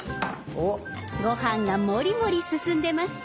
ご飯がもりもり進んでます。